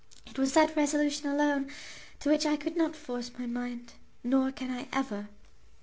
It was that resolution alone to which I could not force my mind; nor can I ever."